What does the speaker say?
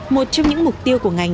một trong những mục tiêu của ngành